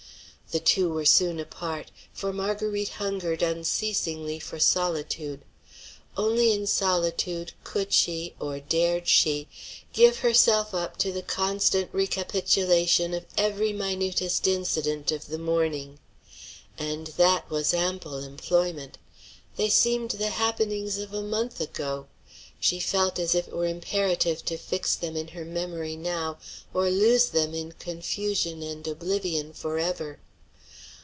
The two were soon apart. For Marguerite hungered unceasingly for solitude. Only in solitude could she, or dared she, give herself up to the constant recapitulation of every minutest incident of the morning. And that was ample employment. They seemed the happenings of a month ago. She felt as if it were imperative to fix them in her memory now, or lose them in confusion and oblivion forever.